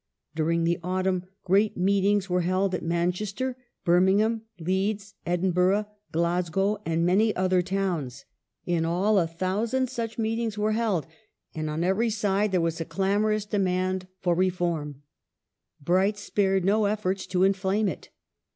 During the autumn great meetings were held at Manchester, Birmingham, Leeds, Edinburgh, Glasgow, and many other towns. In all, a thousand such meetings were held, and on every side there was a clamorous demand for re form ". Bright spared no efforts to inflame it.